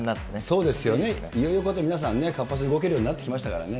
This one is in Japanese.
そうですね、皆さんね、活発に動けるようになってきましたからね。